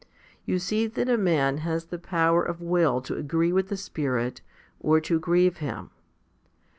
You see that a man has the power of will to agree with the Spirit, or to grieve Him.